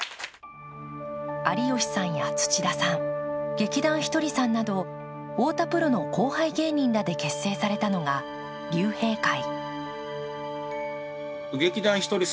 有吉さんや土田さん、劇団ひとりさんなど太田プロの後輩芸人らで結成されたのが竜兵会。